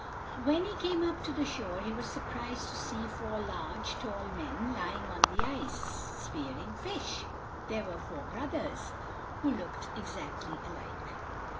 When he came up to the shore he was surprised to see four large, tall men lying on the ice, spearing fish. They were four brothers, who looked exactly alike.